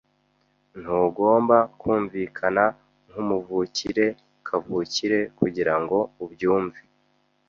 Ntugomba kumvikana nkumuvukire kavukire kugirango ubyumve.